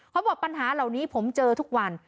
เขาบอกปัญหาเหล่านี้ผมเจอทุกวัน